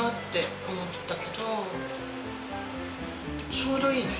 ちょうどいいね。